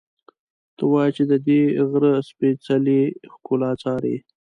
ته وا چې ددې غره سپېڅلې ښکلا څاري.